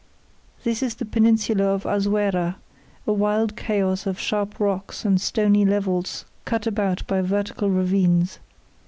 This is the peninsula of Azuera, a wild chaos of sharp rocks and stony levels cut about by vertical ravines.